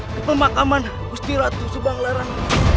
kepemakaman gusti ratu subanglarang